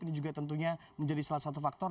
ini juga tentunya menjadi salah satu faktor